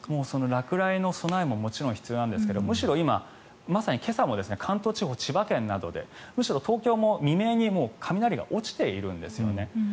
落雷の備えももちろん必要なんですけどむしろ今、まさに今朝も関東地方千葉県などでむしろ東京も未明に雷が落ちているんですよね。